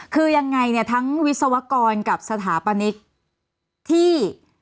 คือยังไงเนี่ยทั้งวิศวกรกับสถาปนิกที่